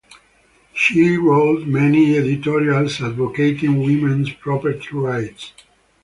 She wrote many editorials advocating women's property rights.